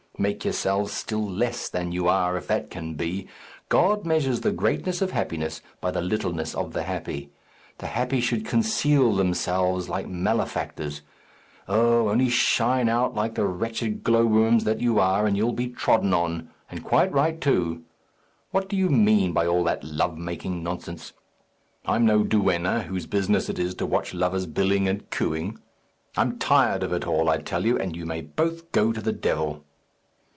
Make yourselves still less than you are, if that can be. God measures the greatness of happiness by the littleness of the happy. The happy should conceal themselves like malefactors. Oh, only shine out like the wretched glowworms that you are, and you'll be trodden on; and quite right too! What do you mean by all that love making nonsense? I'm no duenna, whose business it is to watch lovers billing and cooing. I'm tired of it all, I tell you; and you may both go to the devil."